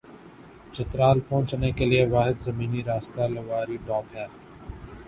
چترال پہنچنے کے لئے واحد زمینی راستہ لواری ٹاپ ہے ۔